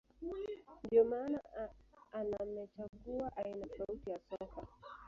ndiyo maana anamechagua aina tofauti ya soka